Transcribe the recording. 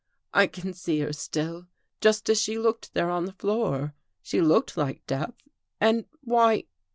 " I can see her still, just as she looked there on the floor. She looked like death. And why